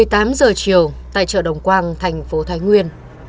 một mươi tám giờ chiều tại chợ đồng quang thành phố thái nguyên